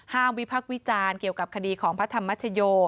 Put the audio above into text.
วิพักษ์วิจารณ์เกี่ยวกับคดีของพระธรรมชโย